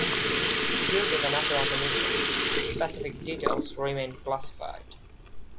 Due to the nature of the mission, specific details remain classified.